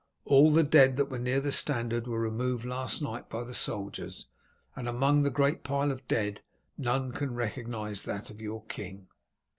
All the dead that were near the standard were removed last night by the soldiers, and among the great pile of dead none can recognize that of your king."